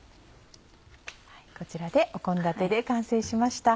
こちらで献立完成しました。